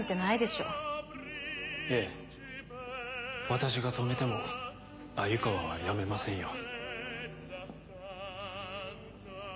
私が止めても鮎川はやめませんよ。